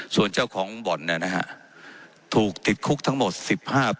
ส่วนเจ้าของบอนเนี่ยนะฮะ